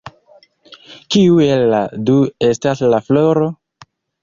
Kiu el la du estas la floro?